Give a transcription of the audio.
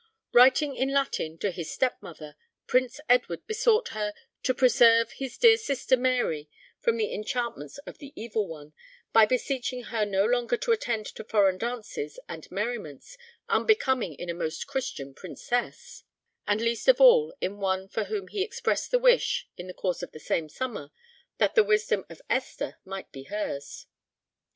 Writing in Latin to his step mother, Prince Edward besought her "to preserve his dear sister Mary from the enchantments of the Evil One, by beseeching her no longer to attend to foreign dances and merriments, unbecoming in a most Christian Princess" and least of all in one for whom he expressed the wish, in the course of the same summer, that the wisdom of Esther might be hers.